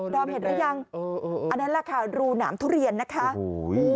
อมเห็นหรือยังอันนั้นแหละค่ะรูหนามทุเรียนนะคะโอ้โห